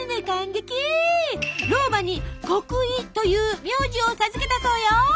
老婆に「国井」という名字を授けたそうよ。